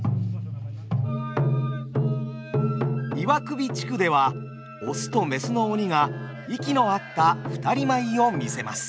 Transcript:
岩首地区では雄と雌の鬼が息の合った二人舞を見せます。